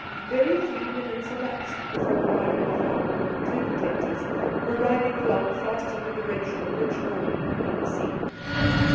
Very few minutes elapsed before Hardy, the farmer, and two detectives were riding along fa§t in the direction in which Norman had been seen.